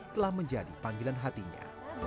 telah menjadi panggilan hatinya